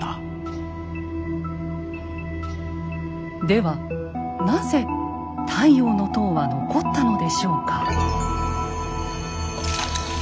ではなぜ「太陽の塔」は残ったのでしょうか？